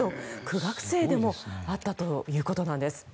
苦学生でもあったそうなんです。